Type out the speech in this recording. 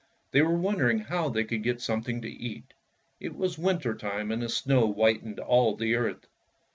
They were wonder ing how they could get something to eat. It was winter time and the snow whitened all the earth.